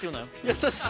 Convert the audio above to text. ◆優しい。